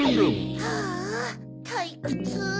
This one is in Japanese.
ああたいくつ。